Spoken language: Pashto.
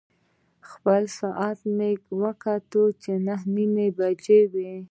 خپل ساعت مې وکتل، نهه نیمې بجې وې.